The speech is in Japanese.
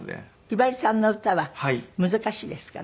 ひばりさんの歌は難しいですか？